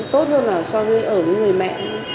tốt hơn là so với ở với người mẹ